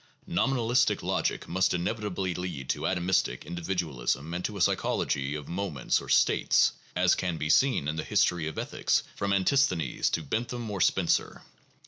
Nominalistic logic must inevitably lead to atomistic individualism and to a psychology of moments or "states," as can be seen in the history of ethics from Antisthenes to Bentham or Spencer.